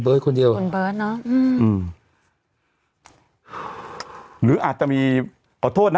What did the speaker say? เบิร์ดคนเดียวคนเบิร์ดเนอะอืมหรืออาจจะมีขอโทษนะ